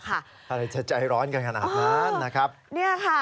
อะไรจะใจร้อนกันอยากนาน